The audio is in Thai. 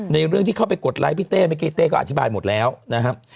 เรื่องที่เข้าไปกดไลค์พี่เต้เมื่อกี้เต้ก็อธิบายหมดแล้วนะครับ